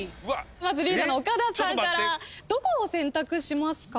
まずリーダーの岡田さんからどこを選択しますか？